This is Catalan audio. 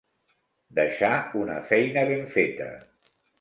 Deixar una feina ben feta.